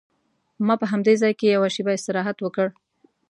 ما په همدې ځای کې یوه شېبه استراحت وکړ.